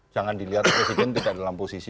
jangan dilihat presiden tidak dalam posisi